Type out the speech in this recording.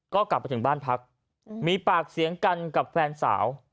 ก็กลับมาถึงบ้านพักมีปากเสียงกันกับแฟนสาว